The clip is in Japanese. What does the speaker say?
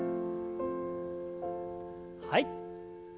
はい。